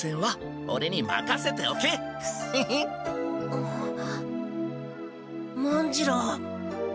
あっ文次郎。